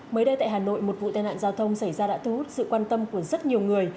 mới đây tại hà nội một vụ tai nạn giao thông xảy ra đã thu hút sự quan tâm của rất nhiều người